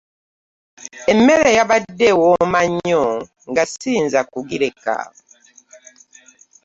Emmere yabadde ewooma nnyo nga siyinza kugireka